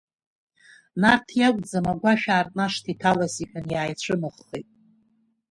Нарҭ иакәӡам агәашә аартны ашҭа иҭалаз, — иҳәан, иааицәымыӷхеит.